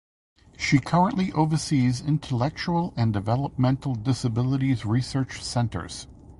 She currently oversees Intellectual and Developmental Disabilities Research Centers.